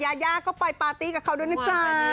ยายาก็ไปปาร์ตี้กับเขาด้วยนะจ๊ะ